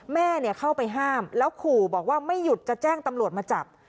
แม่เข้าไปห้ามแล้วขู่บอกว่าไม่หยุดจะแจ้งตำรวจมาจับ